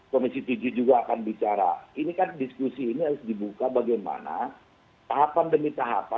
komisi tujuh juga akan bicara ini kan diskusi ini harus dibuka bagaimana tahapan demi tahapan